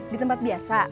di tempat biasa